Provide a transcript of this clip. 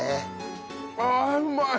ああうまい！